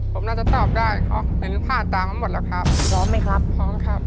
พร้อมไหมครับพร้อมครับ